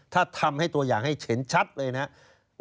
ถ้าทำให้ตัวอย่างให้เห็นชัดเลยนะครับ